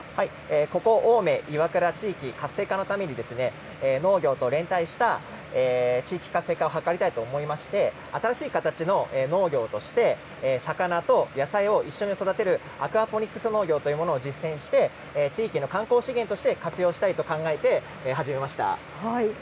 ここ、青梅・いわくら地域活性化のために、農業と連帯した地域活性化を図りたいと思いまして、新しい形の農業として、魚と野菜を一緒に育てるアクアポニックス農法というものを実践して、地域の観光資源として活用したいと考えて始めました。